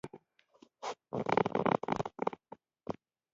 هایپرجي نومېږي.